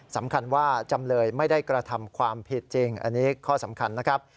สำคัญว่าจำเลยไม่ได้กระทำความผิดจริงอันนี้ข้อสำคัญนะครับ